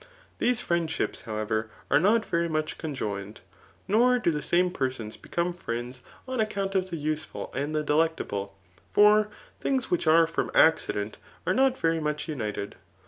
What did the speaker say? These friendships, however, are not very much conjoined, nor do the same persons become friends on account of the useful and the delectable ; for things which are from accident are not very much imited.